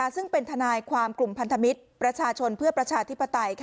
ซึ่งเป็นทนายความกลุ่มพันธมิตรประชาชนเพื่อประชาธิปไตย